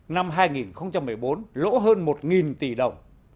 năm hai nghìn một mươi bốn lỗ hơn một tỷ đồng